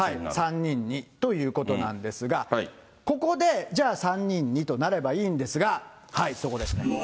３人にということになるわけですが、ここでじゃあ、３人にとなればいいんですが、はい、そこですね。